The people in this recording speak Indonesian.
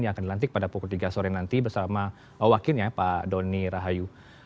yang akan dilantik pada pukul tiga sore nanti bersama wakilnya pak doni rahayu